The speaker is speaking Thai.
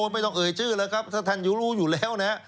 ไม่ต้องเอ่ยชื่อเลยครับถ้าท่านอยู่รู้อยู่แล้วนะ